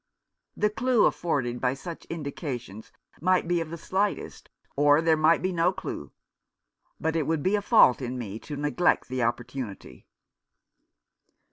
The clue afforded by such in dications might be of the slightest, or there might be no clue ; but it would be a fault in me to neglect the opportunity.